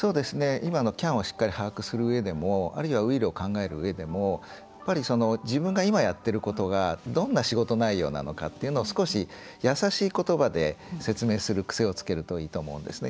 今の「ＣＡＮ」をしっかり把握するうえでもあるいは「ＷＩＬＬ」を考えるうえでもやっぱり自分が今やってることがどんな仕事内容なのかというのを少し易しい言葉で説明する癖をつけるといいと思うんですね。